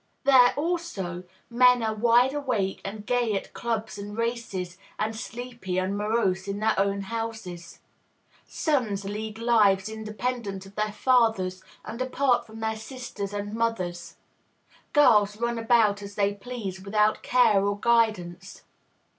There, also, men are wide awake and gay at clubs and races, and sleepy and morose in their own houses; "sons lead lives independent of their fathers and apart from their sisters and mothers;" "girls run about as they please, without care or guidance."